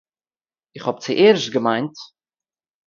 איך האָב צוערשט געמיינט